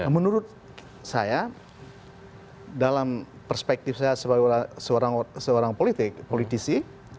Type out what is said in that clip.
menurut saya dalam perspektif saya sebagai seorang politisi